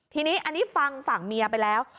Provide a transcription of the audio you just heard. ทีนี้อันนี้ฟังฝั่งเมียไปแล้ว